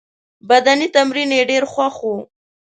بدني تمرین یې ډېر خوښ وو.